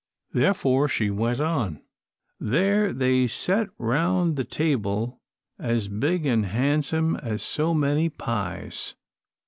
Therefore she went on: "There they set round the table as big an' handsome as so many pies.